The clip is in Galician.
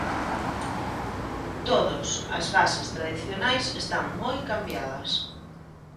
Todos as bases tradicionais están moi cambiadas.